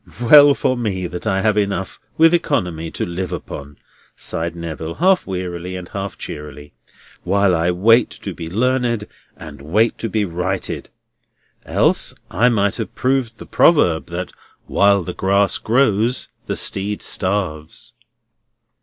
"Well for me that I have enough with economy to live upon," sighed Neville, half wearily and half cheerily, "while I wait to be learned, and wait to be righted! Else I might have proved the proverb, that while the grass grows, the steed starves!"